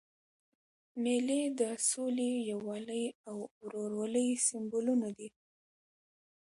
مېلې د سولي، یووالي او ورورولۍ سېمبولونه دي.